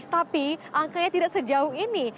tapi angkanya tidak sejauh ini